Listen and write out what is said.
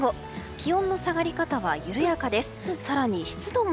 気温の下がり方は緩やかです。